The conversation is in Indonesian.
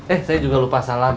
eh saya juga lupa salam